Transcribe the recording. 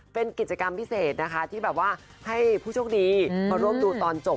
เป็นกิจกรรมพิเศษนะคะที่แบบว่าให้ผู้โชคดีมาร่วมดูตอนจบ